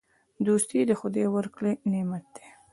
دوستي د خدای ورکړی نعمت دی.